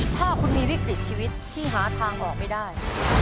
ถ้าคุณมีวิกฤตชีวิตที่หาทางออกไม่ได้